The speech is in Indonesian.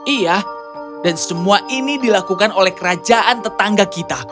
iya dan semua ini dilakukan oleh kerajaan tetangga kita